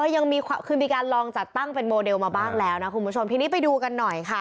ยังมีคือมีการลองจัดตั้งเป็นโมเดลมาบ้างแล้วนะคุณผู้ชมทีนี้ไปดูกันหน่อยค่ะ